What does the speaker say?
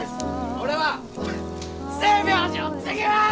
俺は星明寺を継ぎます！